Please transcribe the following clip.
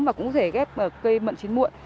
và cũng có thể ghép cây mận chín muộn